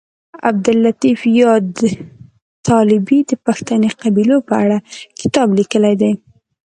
عبداللطیف یاد طالبي د پښتني قبیلو په اړه کتاب لیکلی دی